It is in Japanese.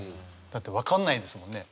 だって分かんないですもんね。